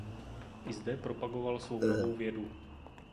I zde propagoval svou novou vědu.